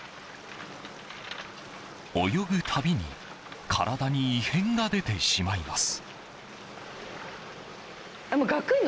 泳ぐたびに体に異変が出てしまいます。